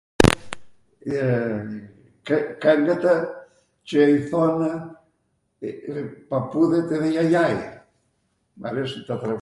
Kalenda qw i thonw papu edhe jajai.